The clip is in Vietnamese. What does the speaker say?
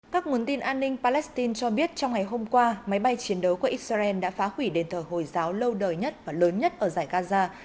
các nguồn tin an ninh palestine cho biết trong ngày hôm qua máy bay chiến đấu của israel đã phá hủy đền thờ hồi giáo lâu đời nhất và lớn nhất ở giải gaza